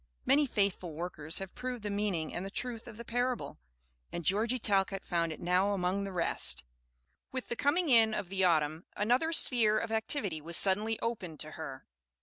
Many faithful workers have proved the meaning and the truth of the parable, and Georgie Talcott found it now among the rest. With the coming in of the autumn another sphere of activity was suddenly opened to her.